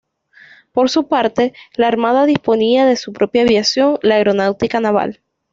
Por su parte, la armada disponía de su propia aviación, la "Aeronáutica Naval".